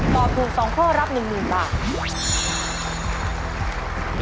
ตอบถูก๒ข้อรับ๑๐๐๐บาท